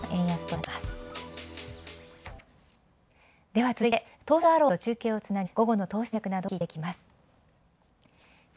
では続いて東証アローズと中継をつなぎ、午後の投資戦略などを聞いていきます。